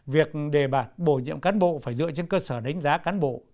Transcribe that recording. việc đề bạt bổ nhiệm cán bộ phải dựa trên cơ sở đánh giá cán bộ